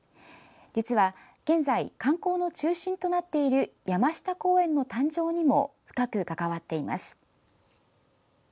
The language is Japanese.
実は現在、観光の中心となっている山下公園の誕生にも深く関わっています。